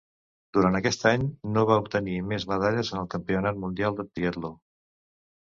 Durant aquest any, no va obtenir més medalles en el Campionat Mundial de Triatló.